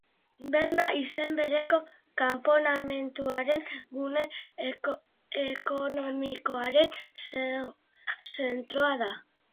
Berna izen bereko kantonamenduaren gune ekonomikoaren zentroa da.